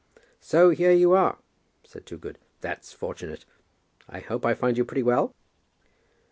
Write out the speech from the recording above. "So here you are," said Toogood. "That's fortunate. I hope I find you pretty well?"